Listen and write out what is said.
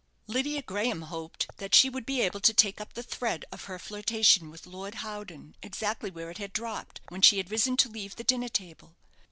Lydia Graham hoped that she would be able to take up the thread of her flirtation with Lord Howden exactly where it had dropped when she had risen to leave the dinner table.